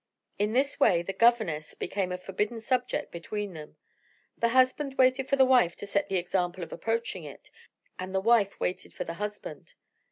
In this way the governess became a forbidden subject between them; the husband waited for the wife to set the example of approaching it, and the wife waited for the husband.